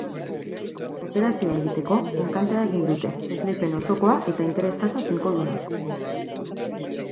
Operazioa egiteko, enkantea egin dute, esleipen osokoa eta interes tasa finkoduna.